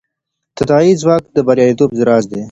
تداعي ځواک د بریالیتوب راز دی.